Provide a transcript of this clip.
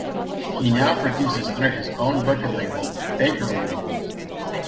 He now produces under his own record label, Bakerloo.